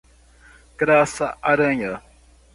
Graça Aranha